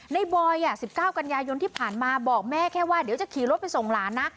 บอย๑๙กันยายนที่ผ่านมาบอกแม่แค่ว่าเดี๋ยวจะขี่รถไปส่งหลานนะ